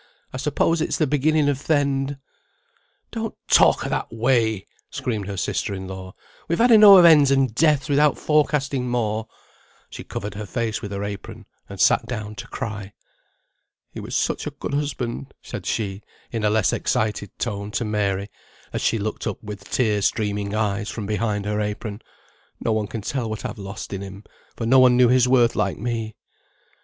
"I suppose it's the beginning of th' end." "Don't talk o' that way," screamed her sister in law. "We've had enow of ends and deaths without forecasting more." She covered her face with her apron, and sat down to cry. "He was such a good husband," said she, in a less excited tone, to Mary, as she looked up with tear streaming eyes from behind her apron. "No one can tell what I've lost in him, for no one knew his worth like me."